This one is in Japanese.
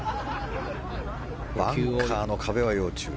バンカーの壁は要注意。